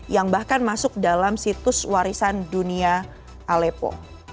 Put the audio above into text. yang bahkan masuk dalam situs warisan dunia alepo